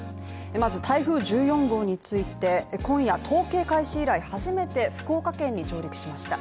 まず台風１４号について今夜、統計開始以来初めて福岡県に上陸しました。